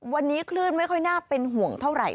วันนี้คลื่นไม่ค่อยน่าเป็นห่วงเท่าไหร่